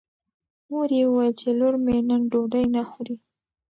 مور یې وویل چې لور مې نن ډوډۍ نه خوري.